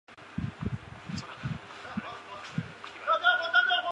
棉毛黄耆是豆科黄芪属的植物。